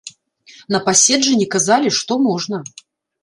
На паседжанні казалі, што можна.